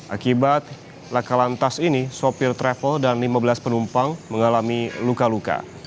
akibat laka lantas ini sopir travel dan lima belas penumpang mengalami luka luka